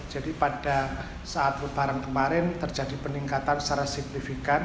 jadi pada saat perubahan kemarin terjadi peningkatan secara signifikan